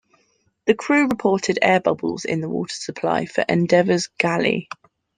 The crew reported air bubbles in the water supply for "Endeavour"'s galley.